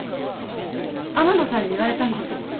天野さんに言われたんです。